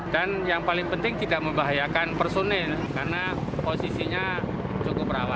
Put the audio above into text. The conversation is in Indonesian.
dan yang paling penting tidak membahayakan personil karena posisinya cukup rawat